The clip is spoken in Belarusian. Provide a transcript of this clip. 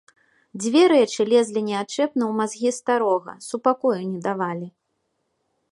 Дзве рэчы лезлі неадчэпна ў мазгі старога, супакою не давалі.